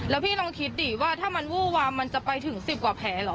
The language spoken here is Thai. แล้วพี่ลองคิดดิว่าถ้ามันวู้วามมันจะไปถึง๑๐กว่าแผลเหรอ